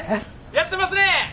やってますね！